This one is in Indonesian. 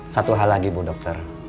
satu hal lagi bu dokter